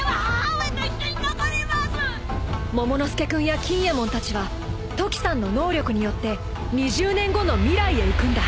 ［モモの助君や錦えもんたちはトキさんの能力によって２０年後の未来へ行くんだ］